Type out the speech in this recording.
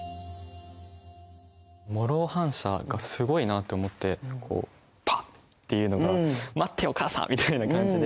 モロー反射がすごいなって思ってこうパッていうのが「待ってお母さん」みたい感じで。